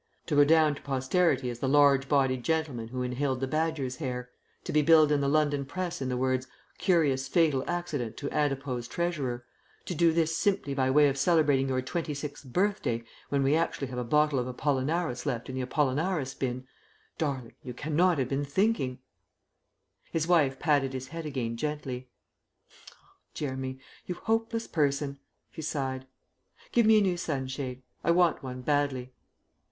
To go down to posterity as the large bodied gentleman who inhaled the badger's hair; to be billed in the London press in the words, 'Curious Fatal Accident to Adipose Treasurer' to do this simply by way of celebrating your twenty sixth birthday, when we actually have a bottle of Apollinaris left in the Apollinaris bin darling, you cannot have been thinking " His wife patted his head again gently. "Oh, Jeremy, you hopeless person," she sighed. "Give me a new sunshade. I want one badly."